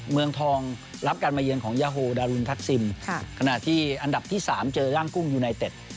เมืองทองรับการมาเยือนของยาโฮดารุนทักซิมขณะที่อันดับที่๓เจอย่างกุ้งยูไนเต็ด